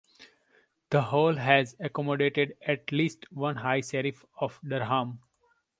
The hall has accommodated at least one High Sheriff of Durham.